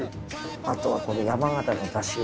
あとはこの山形のだしを。